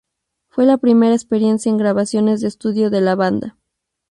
Fue la primera experiencia en grabaciones de estudio de la banda.